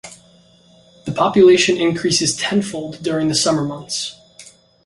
The population increases tenfold during the summer months.